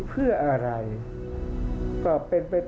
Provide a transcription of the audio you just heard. ภาคอีสานแห้งแรง